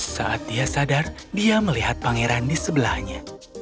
saat dia sadar dia melihat pangeran di sebelahnya